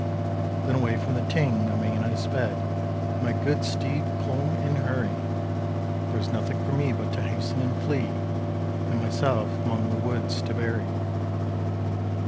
Then away from the Ting amain I sped, And my good steed clomb in hurry; There was nothing for me but to hasten and flee, And myself 'mong the woods to bury.